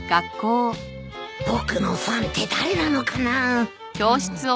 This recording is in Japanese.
僕のファンって誰なのかなぁ